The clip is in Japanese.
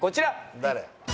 誰？